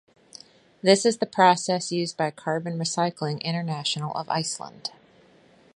This is the process used by Carbon Recycling International of Iceland.